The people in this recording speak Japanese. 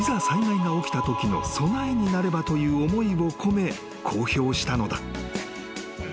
災害が起きたときの備えになればという思いを込め公表したのだ］